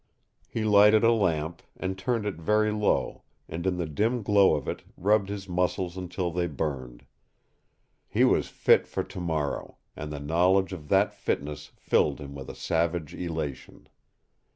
He lighted a lamp, and turned it very low, and in the dim glow of it rubbed his muscles until they burned. He was fit for tomorrow, and the knowledge of that fitness filled him with a savage elation.